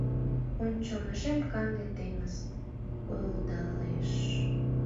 Ончылно шем-канде теҥыз койылдалеш.